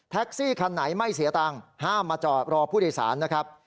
คันไหนไม่เสียตังค์ห้ามมาจอดรอผู้โดยสารนะครับ